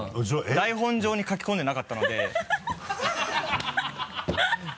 台本上に書き込んでなかった。